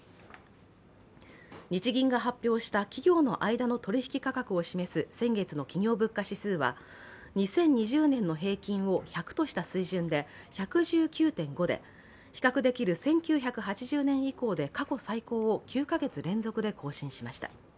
日銀が発表した企業の間の取引価格を示す先月の企業物価指数は２０２０年の平均を１００とした水準で１１９．５で比較できる１９８０年以降で過去最高を９か月連続で更新しました。